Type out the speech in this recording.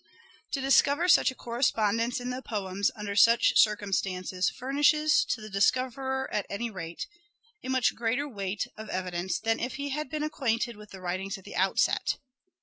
To discover such a correspondence in the poems under such circumstances furnishes, to the discoverer at any rate, a much greater weight of evidence than if he had been acquainted with the writings at the outset.